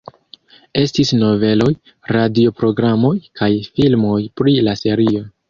Estis noveloj, radio programoj kaj filmoj pri la serio.